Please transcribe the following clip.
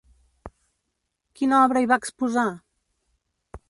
Quina obra hi va exposar?